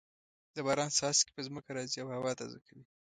د باران څاڅکي په ځمکه راځې او هوا تازه کوي.